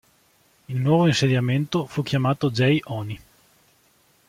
Il nuovo insediamento fu chiamato Gei Oni.